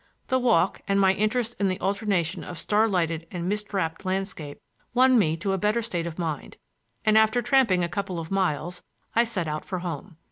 The walk, and my interest in the alternation of star lighted and mist wrapped landscape won me to a better state of mind, and after tramping a couple of miles, I set out for home.